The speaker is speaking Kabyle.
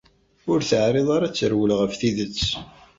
Ur teɛriḍ ara ad terwel ɣef tidet.